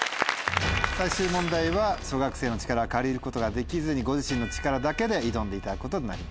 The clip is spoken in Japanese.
最終問題は小学生の力は借りることができずにご自身の力だけで挑んでいただくことになります。